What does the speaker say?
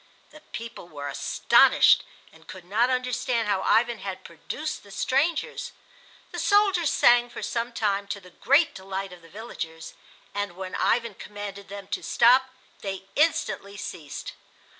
The people were astonished and could not understand how Ivan had produced the strangers. The soldiers sang for some time, to the great delight of the villagers; and when Ivan commanded them to stop they instantly ceased.